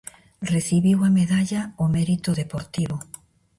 Recibiu a Medalla ó Mérito Deportivo.